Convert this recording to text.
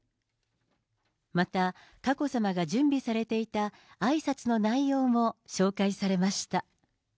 また、佳子さまが準備されていたあいさつの内容も紹介されました。